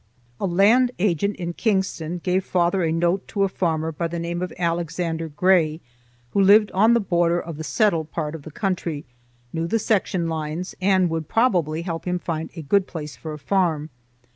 A land agent at Kingston gave father a note to a farmer by the name of Alexander Gray, who lived on the border of the settled part of the country, knew the section lines, and would probably help him to find a good place for a farm.